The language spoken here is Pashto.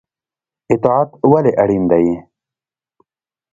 اطاعت ولې اړین دی؟